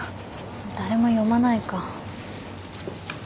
誰も読まないか。